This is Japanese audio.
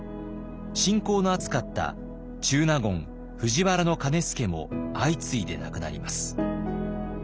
親交の厚かった中納言藤原兼輔も相次いで亡くなります。